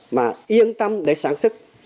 mà yên tâm để sản xuất